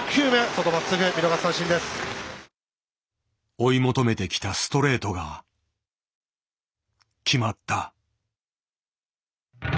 追い求めてきたストレートが決まった。